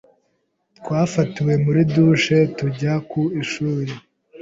Twafatiwe muri douche tujya ku ishuri.